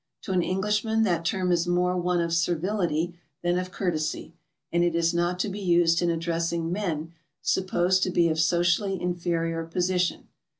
To an Englishman that term is more one of servility than of courtesy, and it is not to be used in address ing men supposed to be of socially inferior position.